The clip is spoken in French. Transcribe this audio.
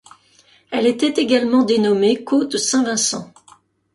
Elle était également dénommée Côte Saint-Vincent.